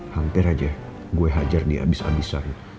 hampir aja gue hajar dia abis abisan